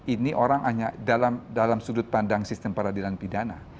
ini orang hanya dalam sudut pandang sistem peradilan pidana